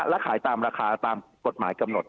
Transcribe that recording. และขายตามราคาตามกฎหมายกำหนด